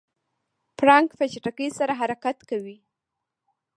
پړانګ په چټکۍ سره حرکت کوي.